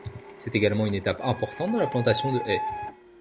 C'est également une étape importante dans la plantation de haies.